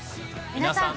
皆さん